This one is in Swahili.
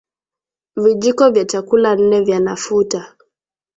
Vijiko vya chakula nne vya nafuta